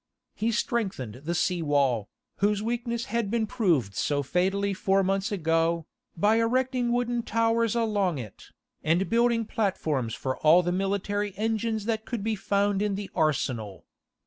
He strengthened the sea wall, whose weakness had been proved so fatally four months ago, by erecting wooden towers along it, and building platforms for all the military engines that could be found in the arsenal.